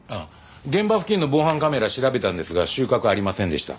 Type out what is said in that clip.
現場付近の防犯カメラ調べたんですが収穫はありませんでした。